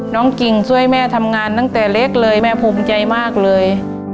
กิ่งช่วยแม่ทำงานตั้งแต่เล็กเลยแม่ภูมิใจมากเลย